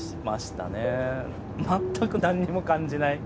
全く何にも感じない。